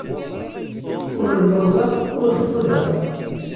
Ur lluẓeɣ, ur ffudeɣ.